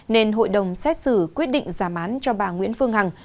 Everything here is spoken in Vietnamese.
nên hội đồng xét xử quyết định giảm án cho bà nguyễn phương hằng